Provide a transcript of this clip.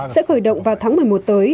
sẽ khởi động vào tháng một mươi một tới